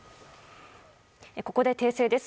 ここで訂正です。